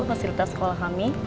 fasilitas sekolah kami